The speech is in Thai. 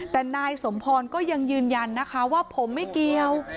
แต่นายสมพรก็ยังยืนยันนะคะว่าผมไม่เกี่ยว